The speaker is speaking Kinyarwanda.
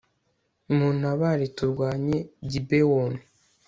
muntabare turwanye gibewoni